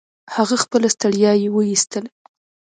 هغه خپله ستړيا يې و ايستله.